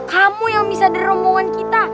kamu yang bisa di rombongan kita